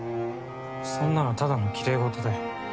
そんなのただのきれい事だよ。